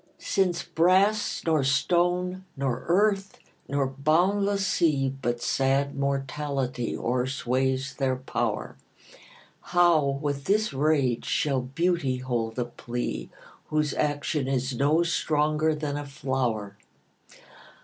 LXV. SINCE brass, nor stone, nor earth, nor boundless sea, But sad mortality o'er sways their power, How with this rage shall beauty hold a plea, Whose action is no stronger than a flower?